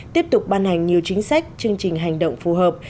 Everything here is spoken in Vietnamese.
tiếp tục ban hành nhiều chính sách chương trình hành động phù hợp